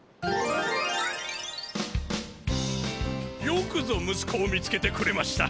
よくぞむすこを見つけてくれました。